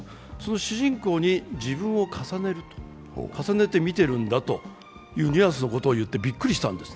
主人公に自分を重ねて見ているんだというニュアンスのことをいってびっくりしたんです。